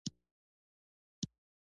که مي زړګي ستا خاطرې ساتي